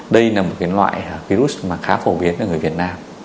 đây là một loại virus mà khá phổ biến ở người việt nam